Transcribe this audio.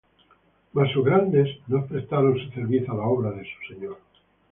mas sus grandes no prestaron su cerviz á la obra de su Señor.